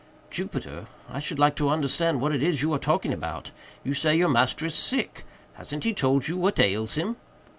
"Jupiter, I should like to understand what it is you are talking about. You say your master is sick. Hasn't he told you what ails him?"